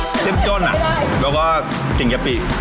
แบบเจ่มจ้นอะแล้วก็กลิ่นกะปิ